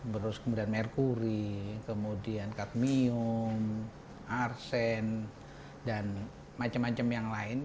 terus kemudian merkuri kemudian kadmium arsen dan macam macam yang lain